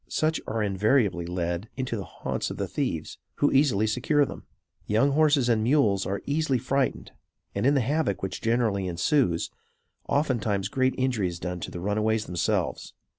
Such are invariably led into the haunts of the thieves, who easily secure them. Young horses and mules are easily frightened; and, in the havoc which generally ensues, oftentimes great injury is done to the runaways themselves.